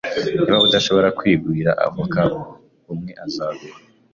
Niba udashobora kwigurira avoka, umwe azaguha